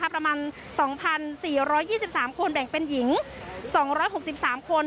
ประมาณ๒๔๒๓คนแบ่งเป็นหญิง๒๖๓คน